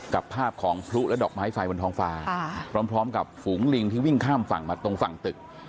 กับภาพของพลุและดอกไม้ไฟบนท้องฟ้าพร้อมกับฝูงลิงที่วิ่งข้ามฝั่งมาตรงฝั่งตึก